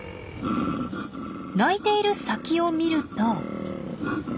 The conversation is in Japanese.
鳴いている先を見ると。